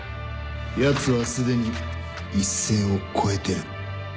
やつはすでに一線を越えてる。